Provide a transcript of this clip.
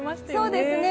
そうですね。